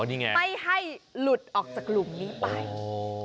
ไม่ให้หลุดออกจากหลุมนี้ไป